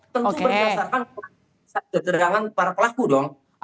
tentu berdasarkan keterangan para pelaku dong